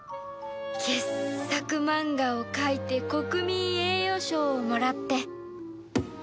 傑作マンガを描いて国民栄誉賞をもらって